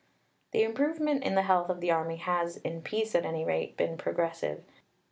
The improvement in the health of the Army has, in peace at any rate, been progressive.